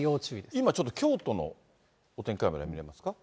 今ちょっと、京都のお天気カメラ、見てみますか。